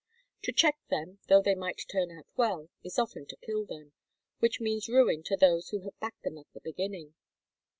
To check them, though they might turn out well, is often to kill them, which means ruin to those who have backed them at the beginning.